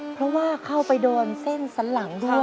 เพราะว่าเข้าไปโดนเส้นสันหลังด้วย